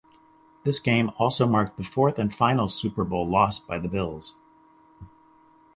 This game also marked the fourth and final Super Bowl loss by the Bills.